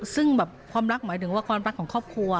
ซึ่งแบบความรักหมายถึงว่าความรักของครอบครัว